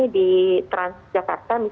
di transjakarta misalnya